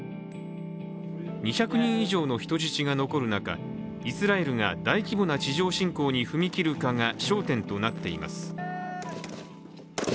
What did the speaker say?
２００人以上の人質が残る中イスラエルが大規模な地上侵攻に踏み切るかが焦点となっています。